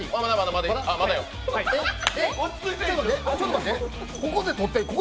ちょっと待って。